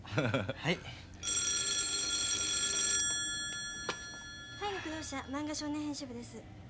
☎はい学童社漫画少年編集部です。